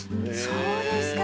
そうですか